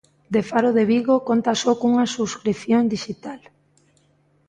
De Faro de Vigo conta só cunha subscrición dixital.